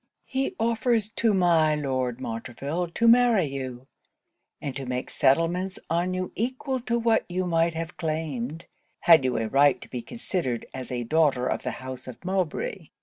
'He offers to my Lord Montreville to marry you; and to make settlements on you equal to what you might have claimed, had you a right to be considered as a daughter of the house of Mowbray.